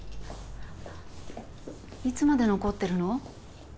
いつまで残ってるの？